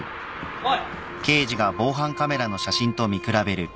おい！